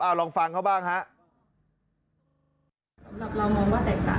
เอาลองฟังเขาบ้างฮะ